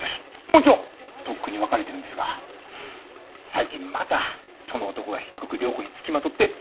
もちろんとっくに別れてるんですが最近またその男がしつこく良子に付きまとって。